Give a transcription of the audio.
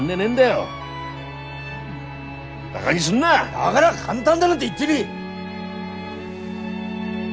だがら簡単だなんて言ってねえ！